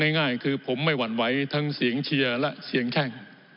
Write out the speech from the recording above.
ง่ายคือผมไม่หวั่นไหวทั้งเสียงเชียร์และเสียงแข้ง